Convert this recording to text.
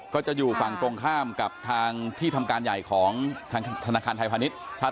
ก็จะอยู่ฝั่งตรงข้ามกับทางที่ทำการใหญ่ของทางธนาคารไทยพาณิชย์